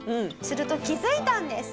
すると気づいたんです。